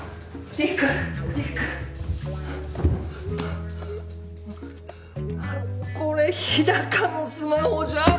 陸陸あっこれ日高のスマホじゃん！